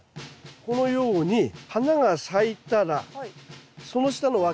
このように花が咲いたらその下のわき芽は。